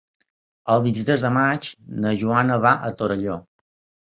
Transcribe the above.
El vint-i-tres de maig na Joana va a Torelló.